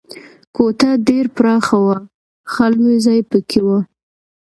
کوټه ډېره پراخه وه، ښه لوی ځای پکې و.